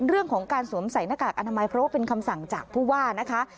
สวมใส่หน้ากากอนามัยเพราะว่าเป็นคำสั่งจากผู้ว่านะคะ